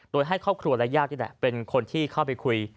โดยให้ครอบครัวใน่ากี่แต่เป็นคนที่เข้าไปคุย